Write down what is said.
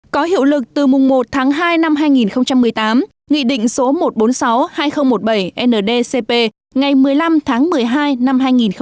có hiệu lực từ mùng một tháng hai năm hai nghìn một mươi tám nghị định số một trăm bốn mươi sáu hai nghìn một mươi bảy ndcp ngày một mươi năm tháng một mươi hai năm hai nghìn một mươi bảy